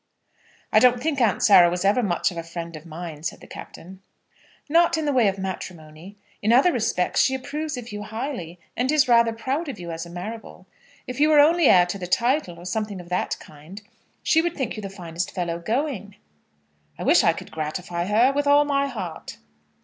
"I don't think Aunt Sarah was ever much of a friend of mine," said the Captain. "Not in the way of matrimony; in other respects she approves of you highly, and is rather proud of you as a Marrable. If you were only heir to the title, or something of that kind, she would think you the finest fellow going." "I wish I could gratify her, with all my heart."